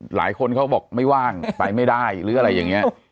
เขาบอกไม่ว่างไปไม่ได้หรืออะไรอย่างนี้